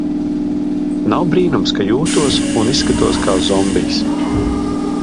Nav brīnums, ka jūtos un izskatos kā zombijs.